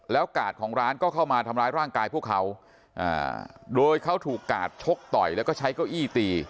แล้วกาดของร้านก็เข้ามาทำร้ายร่างกายพวกเขาโดยเขาถูกกาดชกต่อยแล้วก็ใช้เก้าอี้ตี